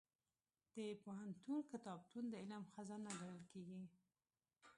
د پوهنتون کتابتون د علم خزانه ګڼل کېږي.